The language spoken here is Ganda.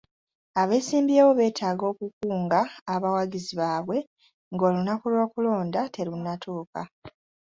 Abeesimbyewo beetaaga okukunga abawagizi baabwe ng'olunaku lw'okulonda terunnatuuka.